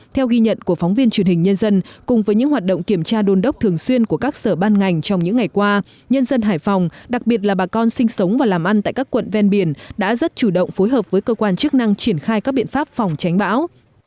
theo ghi nhận của phóng viên truyền hình nhân dân cùng với những hoạt động kiểm tra đôn đốc thường xuyên của các sở ban ngành trong những ngày qua nhân dân hải phòng đặc biệt là bà con sinh sống và làm ăn tại các quận ven biển đã rất chủ động phối hợp với cơ quan chức năng triển khai các biện pháp phòng tránh bão